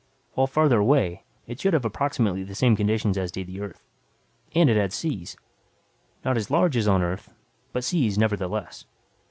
While farther away it should have approximately the same conditions as did the Earth. And it had seas, not as large as on Earth, but seas, nevertheless.